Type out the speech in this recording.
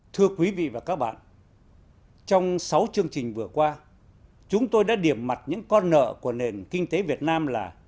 thưa quý vị và các bạn trong sáu chương trình vừa qua chúng tôi đã điểm mặt những con nợ của nền kinh tế việt nam là